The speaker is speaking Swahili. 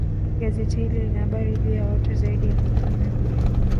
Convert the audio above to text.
gazeti hili lina habari juu ya watu zaidi ya elfu kumi na nne